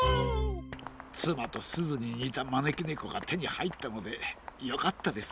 つまとすずににたまねきねこがてにはいったのでよかったです。